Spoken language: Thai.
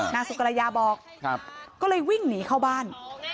นางสุกรยาบอกก็เลยวิ่งหนีเข้าบ้าน